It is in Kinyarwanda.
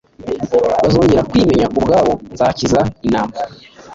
bazongera kwimenya ubwabo nzakiza intama